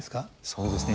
そうですね。